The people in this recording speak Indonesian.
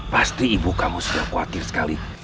pasti ibu kamu sudah khawatir sekali